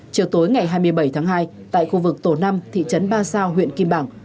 chiều tối ngày hai mươi bảy tháng hai tại khu vực tổ năm thị trấn ba sao huyện kim bảng